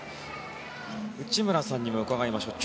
内村さんにも伺いましょう。